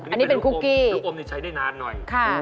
อันนี้เป็นคุกกี้ลูกอมนี่ใช้ได้นานหน่อย